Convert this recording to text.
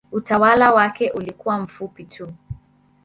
Utawala wake ulikuwa mfupi tu.